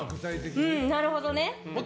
なるほどね。